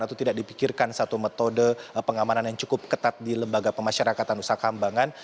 atau tidak dipikirkan satu metode pengamanan yang cukup ketat di lembaga pemasyarakatan nusa kambangan